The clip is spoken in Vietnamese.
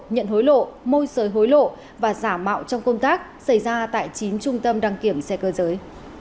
nhận hối lộ môi giới hối lộ và giả mạo trong công tác xảy ra tại chín trung tâm đăng kiểm xe cơ giới